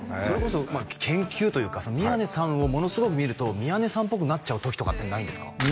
それこそ研究というか宮根さんをものすごく見ると宮根さんっぽくなっちゃう時とかってないんですか？